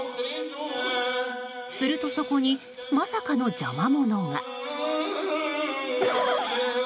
すると、そこにまさかの邪魔者が。